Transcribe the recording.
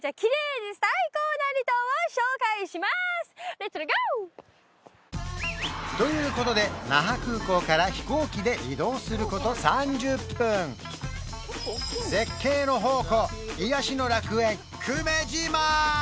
レッツラゴー！ということで那覇空港から飛行機で移動すること３０分絶景の宝庫癒やしの楽園久米島！